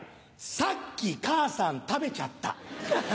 さっき母さん食べちゃった。